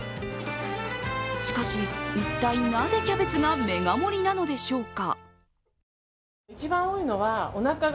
しかし、一体なぜキャベツがメガ盛りなのでしょうか。